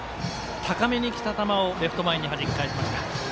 高めにきた球をレフト前にはじき返しました。